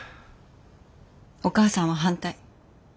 お母さんは反対。